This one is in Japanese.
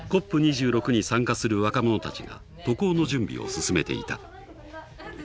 ＣＯＰ２６に参加する若者たちが渡航の準備を進めていた。